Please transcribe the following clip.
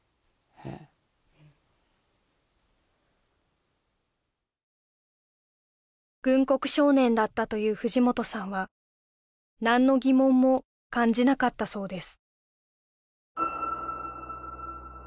うん軍国少年だったという藤本さんは何の疑問も感じなかったそうです